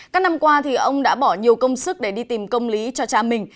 các năm qua ông đã bỏ nhiều công sức để đi tìm công lý cho cha mình